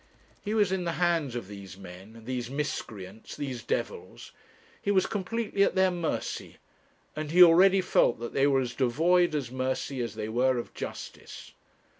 He was in the hands of these men, these miscreants, these devils; he was completely at their mercy, and he already felt that they were as devoid of mercy as they were of justice.